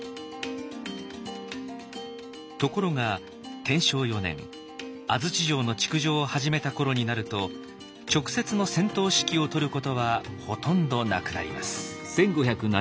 ところが天正４年安土城の築城を始めた頃になると直接の戦闘指揮をとることはほとんどなくなります。